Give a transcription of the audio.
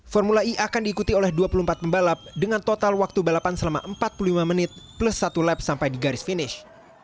formula e akan diikuti oleh dua puluh empat pembalap dengan total waktu balapan selama empat puluh lima menit plus satu lap sampai di garis finish